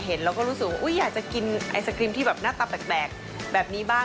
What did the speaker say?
เราก็รู้สึกว่าอยากจะกินไอศครีมที่แบบหน้าตาแปลกแบบนี้บ้าง